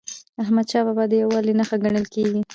احمدشاه بابا د یووالي نښه ګڼل کېږي.